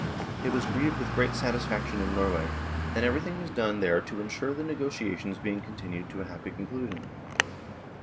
It was greeted with great satisfaction in Norway, and everything was done there to ensure the negotia tions being continued to a happy conclusion.